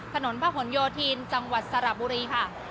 ถนนพระหลโยธินจังหวัดสระบุรีค่ะ